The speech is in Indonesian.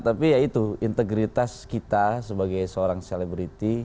tapi ya itu integritas kita sebagai seorang selebriti